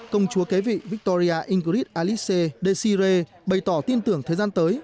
công chúa kế vị victoria ingrid alice die bày tỏ tin tưởng thời gian tới